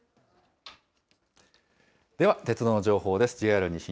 では、鉄道の情報です。